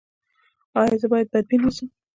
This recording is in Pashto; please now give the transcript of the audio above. ایا زه باید بدبین اوسم؟